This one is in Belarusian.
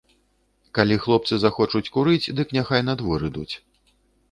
Калі хлопцы захочуць курыць, дык няхай на двор ідуць.